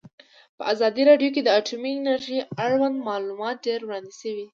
په ازادي راډیو کې د اټومي انرژي اړوند معلومات ډېر وړاندې شوي.